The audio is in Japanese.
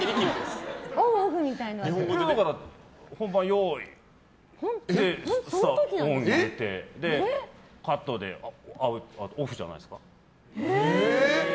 本番、用意！ってその時にオン入れてカットでオフじゃないですか？